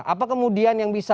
apa kemudian yang bisa